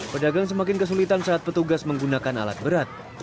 pedagang semakin kesulitan saat petugas menggunakan alat berat